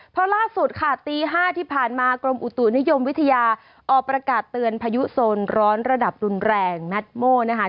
เพราะล่าสุดค่ะตี๕ที่ผ่านมากรมอุตุนิยมวิทยาออกประกาศเตือนพายุโซนร้อนระดับรุนแรงแมทโม่นะคะ